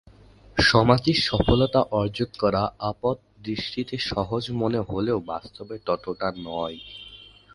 সমাজে সফলতা অর্জন করা আপাতদৃষ্টিতে সহজ মনে হলেও বাস্তবে ততটা নয়।